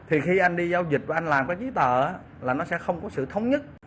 thì khi anh đi giao dịch và anh làm cái giấy tờ là nó sẽ không có sự thống nhất